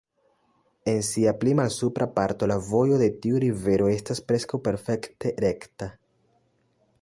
En sia pli malsupra parto la vojo de tiu rivero estas preskaŭ perfekte rekta.